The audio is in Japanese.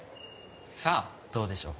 さあどうでしょう。